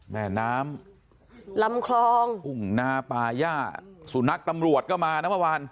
แม่น้ำลำคลองทุ่งนาป่าย่าสุนัขตำรวจก็มานะเมื่อวาน